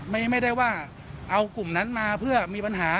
ไม่ได้ว่าเอากลุ่มนั้นมาเพื่อมีปัญหา